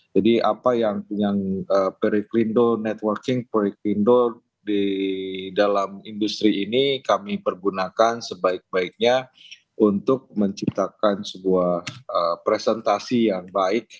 jadi apa yang periklindo networking periklindo di dalam industri ini kami pergunakan sebaik baiknya untuk menciptakan sebuah presentasi yang baik